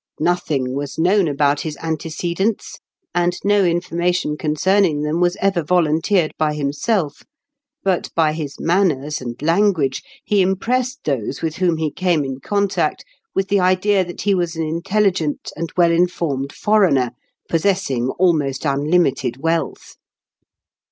Nothing was known about his antecedents, and no information concerning them was ever volunteered by himself; but, by his manners and language, he impressed those with whom he came in con tact with the idea that he was an intelligent and well informed foreigner, possessing almost unlimited wealth.